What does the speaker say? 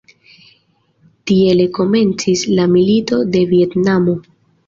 Tiele komencis la Milito de Vjetnamo.